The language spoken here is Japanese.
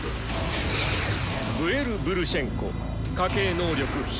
ブエル・ブルシェンコ家系能力